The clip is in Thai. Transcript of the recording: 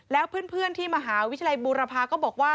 แล้วเพื่อนที่มหาวิทยาลัยบูรพาก็บอกว่า